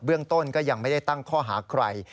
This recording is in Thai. เรื่องต้นก็ยังไม่ได้ตั้งข้อหาใคร